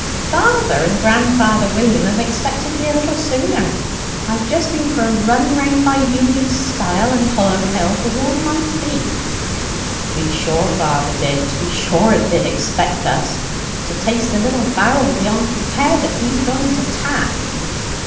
"Father and grandfather William have expected ye a little sooner. I have just been for a run round by Ewelease Stile and Hollow Hill to warm my feet." "To be sure father did! To be sure 'a did expect us to taste the little barrel beyond compare that he's going to tap."